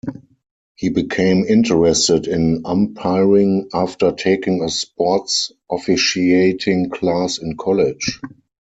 He became interested in umpiring after taking a sports officiating class in college.